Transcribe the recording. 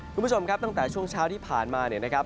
คุณผู้ชมครับตั้งแต่ช่วงเช้าที่ผ่านมาเนี่ยนะครับ